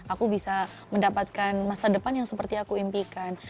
aku bisa mendapatkan masa depan yang seperti aku impikan